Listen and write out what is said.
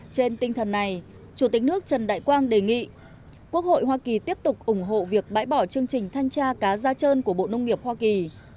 trên tinh thần này chủ tịch nước trần đại quang đề nghị quốc hội hoa kỳ tiếp tục ủng hộ việc bãi bỏ chương trình thanh tra cá da trơn của bộ nông nghiệp hoa kỳ